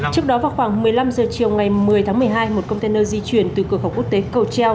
trước đó vào khoảng một mươi năm h chiều ngày một mươi tháng một mươi hai một container di chuyển từ cửa khẩu quốc tế cầu treo